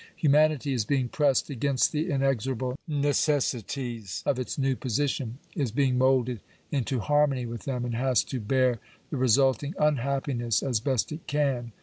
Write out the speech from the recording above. Humanity is being pressed against the in exorable necessities of its new position — is being moulded into harmony with them, and has to bear the resulting unhappiness as best it can.